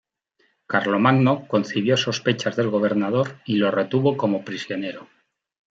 Carlomagno concibió sospechas del gobernador y lo retuvo como prisionero.